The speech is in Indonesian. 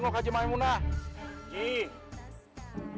ngapain lagi di sadun